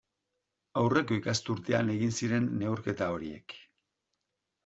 Aurreko ikasturtean egin ziren neurketa horiek.